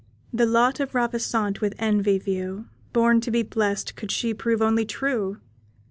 The lot of Ravissante with envy view Born to be blest could she prove only true.